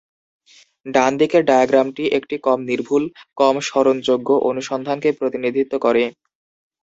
ডানদিকের ডায়াগ্রামটি একটি কম নির্ভুল, কম স্মরণযোগ্য অনুসন্ধানকে প্রতিনিধিত্ব করে।